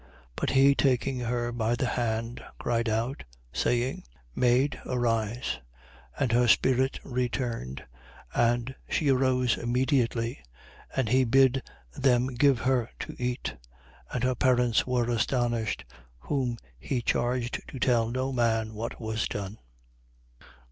8:54. But he taking her by the hand, cried out, saying: Maid, arise. 8:55. And her spirit returned: and she arose immediately. And he bid them give her to eat. 8:56. And her parents were astonished, whom he charged to tell no man what was done.